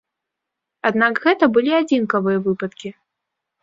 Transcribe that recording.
Аднак гэта былі адзінкавыя выпадкі.